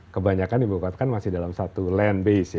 kebanyakan ibu kota kan masih dalam satu land base ya